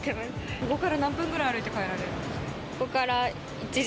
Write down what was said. ここから何分ぐらい歩いて帰られるんですか？